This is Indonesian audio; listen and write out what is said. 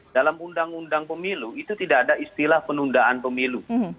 dalam undang undang pemilu itu tidak ada istilah penundaan pemilu